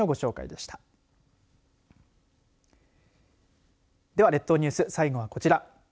では、列島ニュース最後はこちら。